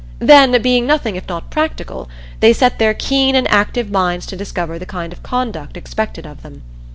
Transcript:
Then, being nothing if not practical, they set their keen and active minds to discover the kind of conduct expected of them.